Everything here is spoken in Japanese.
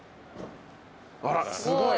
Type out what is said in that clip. あらすごい。